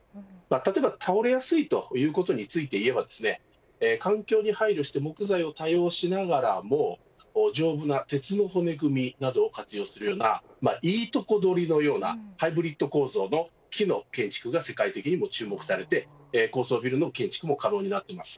例えば、倒れやすいということについて言えば環境に配慮して木材を多用しながらも丈夫な鉄の骨組みなどを活用するいいとこ取りのようなハイブリッド構造の木の建築が世界的にも注目されて高層ビルの建築も可能になっています。